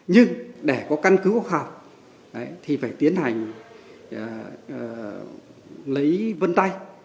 nhưng để có căn cứ quốc khảo thì phải tiến hành lấy vân tay